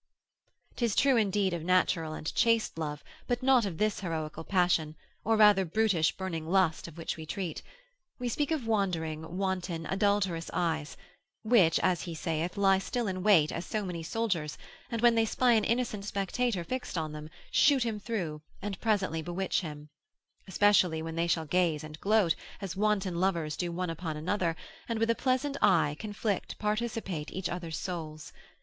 'Tis true indeed of natural and chaste love, but not of this heroical passion, or rather brutish burning lust of which we treat; we speak of wandering, wanton, adulterous eyes, which, as he saith, lie still in wait as so many soldiers, and when they spy an innocent spectator fixed on them, shoot him through, and presently bewitch him: especially when they shall gaze and gloat, as wanton lovers do one upon another, and with a pleasant eye conflict participate each other's souls.